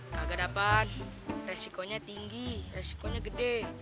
kagak dapat resikonya tinggi resikonya gede